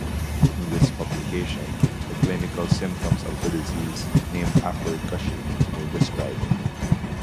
In this publication, the clinical symptoms of the disease, named after Cushing, were described.